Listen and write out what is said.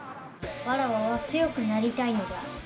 わらわは強くなりたいのだ。